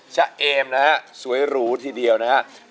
ชะเอมนะฮะสวยหรูทีเดียวนะครับ